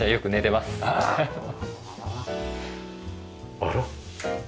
あら？